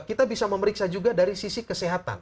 kita bisa memeriksa juga dari sisi kesehatan